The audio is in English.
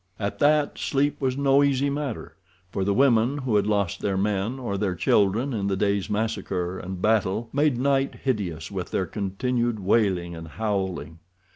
At that, sleep was no easy matter, for the women who had lost their men or their children in the day's massacre and battle made night hideous with their continued wailing and howling.